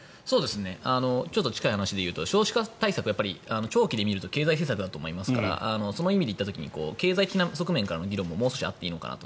近い話でいうと少子化対策は長期で見ると経済政策だと思いますからその意味でいった時に経済的な側面からの議論ももう少しあってもいいのかなと。